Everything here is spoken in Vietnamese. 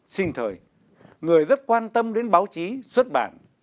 sinh thời người rất quan tâm đến báo chí xuất bản